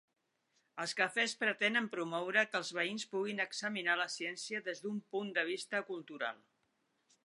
Els Cafès pretenen promoure que els veïns puguin examinar la ciència des d'un punt de vista cultural.